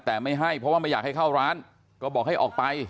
แต่ไม่ให้เพราะว่าไม่อยากให้เข้าร้านก็บอกให้ออกไป